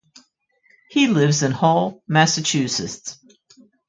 He lives in Hull, Massachusetts.